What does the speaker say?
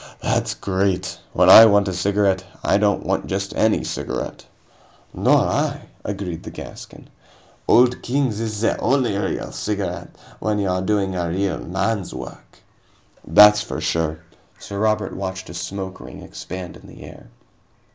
"That's great. When I want a cigarette, I don't want just any cigarette." "Nor I," agreed the Gascon. "Old Kings is the only real cigarette when you're doing a real man's work." "That's for sure." Sir Robert watched a smoke ring expand in the air.